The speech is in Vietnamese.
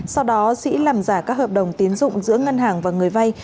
sau đó sĩ làm giả các hợp đồng tiến dụng giữa ngân hàng và người vay